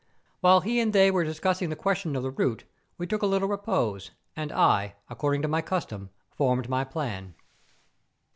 Whilst he and they were discussing the question of the route we took a little repose, and I, according to my custom, formed my plan.